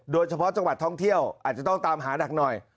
โดยเฉพาะจังหวัดท่องเที่ยวอาจจะต้องตามหานักหน่อย